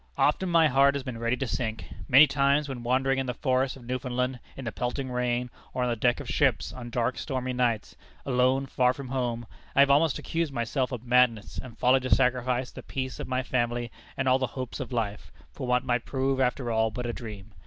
Often my heart has been ready to sink. Many times, when wandering in the forests of Newfoundland, in the pelting rain, or on the deck of ships, on dark, stormy nights alone, far from home I have almost accused myself of madness and folly to sacrifice the peace of my family, and all the hopes of life, for what might prove after all but a dream.